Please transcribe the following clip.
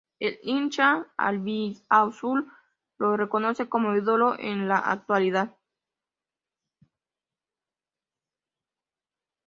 El hincha "Albiazul" lo reconoce como ídolo en la actualidad.